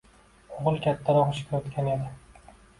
O`g`il kattaroq ishga o`tgan edi